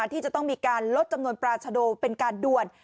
ที่จะต้องมีการลดจำนวนปราชโดเป็นการด่วน